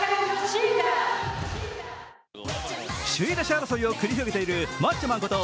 首位打者争いを繰り広げているマッチョマンこと